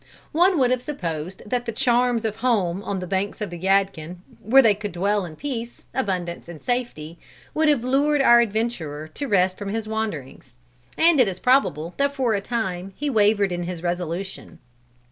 One would have supposed that the charms of home on the banks of the Yadkin, where they could dwell in peace, abundance and safety, would have lured our adventurer to rest from his wanderings. And it is probable that for a time, he wavered in his resolution.